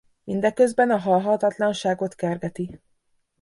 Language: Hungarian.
Mindeközben a halhatatlanságot kergeti.